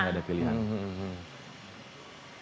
gak ada pilihan